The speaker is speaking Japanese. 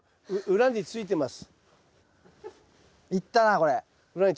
裏についてます。